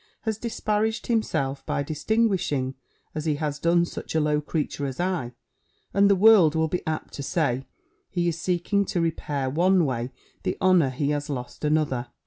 has disparaged himself by distinguishing, as he has done, such a low creature as I; and the world will be apt to say, he is seeking to repair one way the honour he has lost _another!